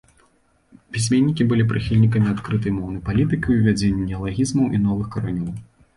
Пісьменнікі былі прыхільнікамі адкрытай моўнай палітыкі, увядзенню неалагізмаў і новых каранёў.